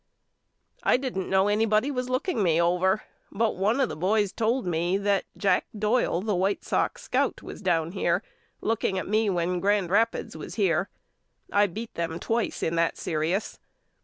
I didn't know anybody was looking me over, but one of the boys told me that Jack Doyle the White Sox scout was down here looking at me when Grand Rapids was here. I beat them twice in that serious.